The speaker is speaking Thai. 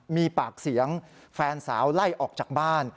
มีปากเสียงแฟนสาวไล่ออกจากบ้าน